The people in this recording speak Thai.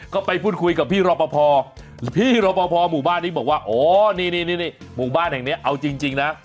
ก็ไปพูดคุยกับพี่รอปภพี่รอปภหมู่บ้านนี้บอกว่าอ๋อนี่นี่หมู่บ้านแห่งนี้เอาจริงนะ